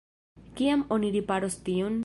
Kiam oni riparos tion?